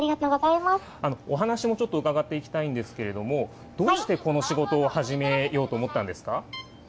お話もちょっと伺っていきたいんですけれども、どうしてこの仕事を始めようと思ったんですか。